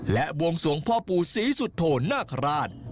และบวงสวงพ่อปู่ศรีสุโธนาคาราช